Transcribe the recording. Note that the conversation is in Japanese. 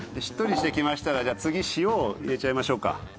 しっとりしてきましたらじゃあ次塩を入れちゃいましょうか。